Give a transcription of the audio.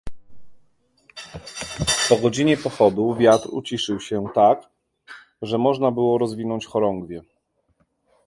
"Po godzinie pochodu wiatr uciszył się, tak, że można było rozwinąć chorągwie."